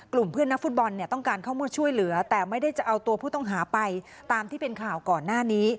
กลุ่มเพื่อนนักฟุตบอลเนี่ยต้องการเข้ามาช่วยเหลือแต่ไม่ได้จะเอาตัวผู้ต้องหาไปตามที่เป็นข่าวก่อนหน้านี้